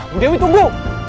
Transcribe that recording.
bu dewi tunggu